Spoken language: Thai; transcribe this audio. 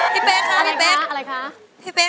พี่เบ๊คค่ะโอ้อยพี่เบ๊คอะไรค่ะพี่เบ๊ค